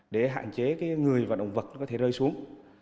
để hạn chế người và động vật có thể rơi xuống